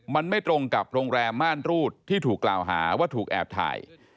มันไม่ตรงกับโรงแรมม่านรูดที่ถูกกล่าวหาว่าถูกแอบถ่าย